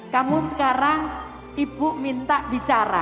kamu sekarang ibu minta bicara